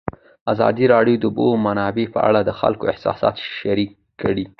ازادي راډیو د د اوبو منابع په اړه د خلکو احساسات شریک کړي.